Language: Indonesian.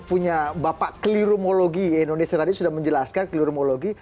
buku punya bapak kelirumologi indonesia tadi sudah menjelaskan kelirumologi